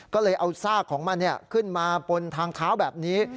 ก็เลยเอาซากของมันขึ้นมาบนทางเท้าแบบนี้